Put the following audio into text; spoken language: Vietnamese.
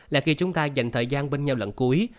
là khi chúng ta dành thời gian bên nhau lận cuối